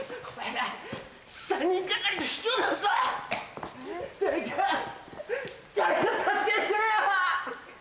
誰か誰か助けてくれよ！